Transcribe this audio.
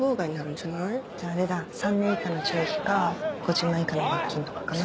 じゃああれだ３年以下の懲役か５０万円以下の罰金とかかな。